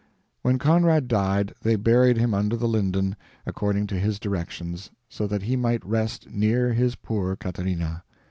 When Conrad died, they buried him under the linden, according to his directions, so that he might rest "near his poor Catharina."